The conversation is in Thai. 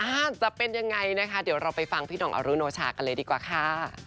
จะเป็นยังไงนะคะเดี๋ยวเราไปฟังพี่ห่องอรุโนชากันเลยดีกว่าค่ะ